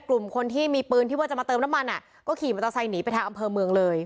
กลุ่มคนที่มีปืนที่ว่าจะมาเติมน้ำมันก็ขี่มอเตอร์ไซค์หนีไปทางอำเภอเมืองเลย